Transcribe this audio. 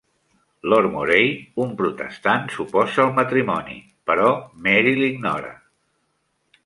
Lord Moray, un protestant, s'oposa al matrimoni, però Mary l'ignora.